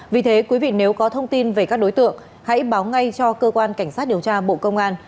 vì thế quý vị nếu có thông tin về các đối tượng hãy báo ngay cho cơ quan cảnh sát điều tra bộ công an